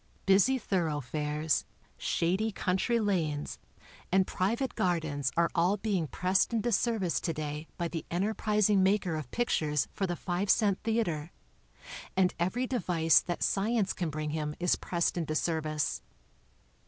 Busy thoroughfares, shady country lanes and private gardens are all being pressed into service to day by the enterprising "maker of pictures for the five cent theater, and every device that science can bring him is pressed into service.